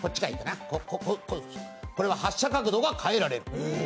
これは発射角度が変えられる。